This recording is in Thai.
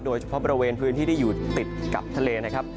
โดยเฉพาะบริเวณพื้นที่ที่อยู่ติดกับทะเลนะครับ